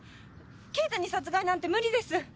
敬太に殺害なんて無理です！